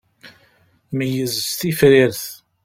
Meyyez s tifrirt.